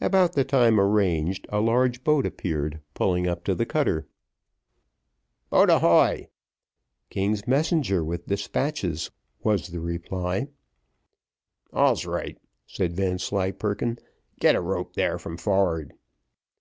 About the time arranged, a large boat appeared pulling up to the cutter. "Boat, ahoy!" "King's messenger with despatches," was the reply. "All's right," said Vanslyperken, "get a rope there from forward."